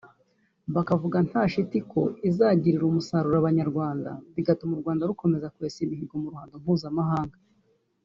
bakavuga nta shiti ko izagirira umusaruro Abanyarwanda bigatuma u Rwanda rukomeza kwesa imihigo mu ruhando mpuzamahanga